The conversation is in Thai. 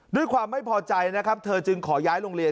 ด้วยความไม่พอใจนะครับเธอจึงขอย้ายโรงเรียน